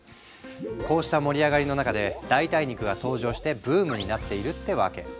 こうした盛り上がりの中で代替肉が登場してブームになっているってわけ。